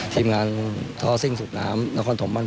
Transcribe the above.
ทีมงานท่อซิ่งสุดน้ำและท้อนฐมวันแพ้